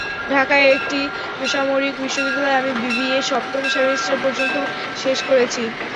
ঢাকার একটি বেসরকারি বিশ্ববিদ্যালয়ে আমি বিবিএ সপ্তম সেমিস্টার পর্যন্ত শেষ করেছি।